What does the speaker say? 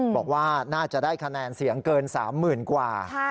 บอกว่าน่าจะได้คะแนนเสียงเกิน๓๐๐๐กว่า